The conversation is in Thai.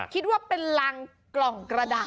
คิดว่าเป็นรังกล่องกระดาษ